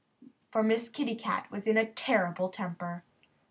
For Miss Kitty Cat was in a terrible temper.